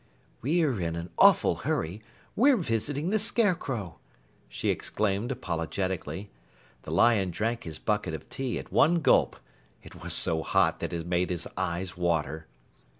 "We're in an awful hurry; we're visiting the Scarecrow," she exclaimed apologetically. The lion drank his bucket of tea at one gulp. It was so hot that it made his eyes water.